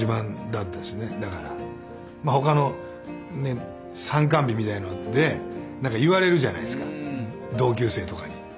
まあ他のね参観日みたいなので何か言われるじゃないですか同級生とかに。